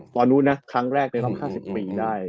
ตอนนู้นนะครั้งแรกในรอบ๕๐ปีได้